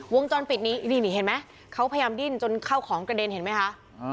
วงจรปิดนี้นี่เห็นไหมเขาพยายามดิ้นจนเข้าของกระเด็นเห็นไหมคะ